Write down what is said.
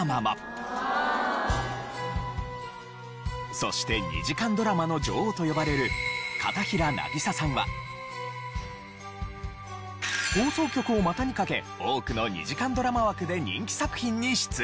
そして２時間ドラマの女王と呼ばれる片平なぎささんは放送局を股にかけ多くの２時間ドラマ枠で人気作品に出演。